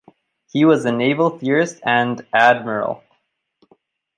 He was a naval theorist and admiral.